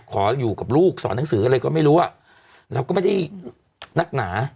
ขออยู่กับลูกสอนหนังสืออะไรก็ไม่รู้อ่ะเราก็ไม่ได้นักหนา